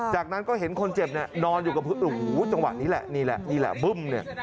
จากนั้นก็เห็นคนเจ็บเนี่ยนอนอยู่กับพื้นโอ้โหจังหวะนี้แหละนี่แหละนี่แหละบึ้มเนี่ย